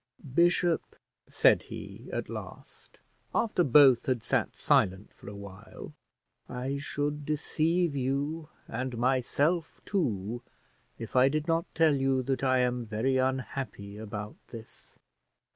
"Bishop," said he, at last, after both had sat silent for a while, "I should deceive you and myself too, if I did not tell you that I am very unhappy about this.